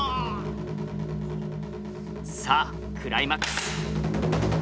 さあクライマックス。